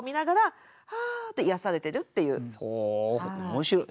面白い。